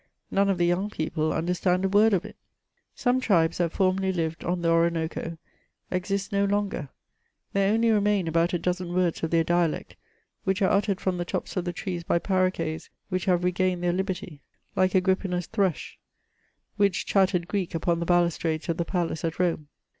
None of the young people understand a word of it." Some tribes that formerly lived on the Oronoco exist no longer — there only remain about a dozen words of their dialect, which axe uttered from the tops of the trees by parroquets which have regained their liberty, like Ag^ppina's thrush, which chattered Greek upon the balustrades of the palace at Rome.